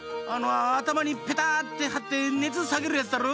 あたまにペタッてはってねつさげるやつだろ？